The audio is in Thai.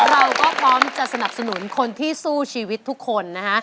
เราก็พร้อมจะสนับสนุนคนที่สู้ชีวิตทุกคนนะฮะ